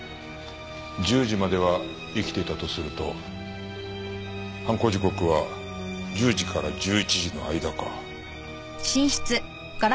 １０時までは生きていたとすると犯行時刻は１０時から１１時の間か。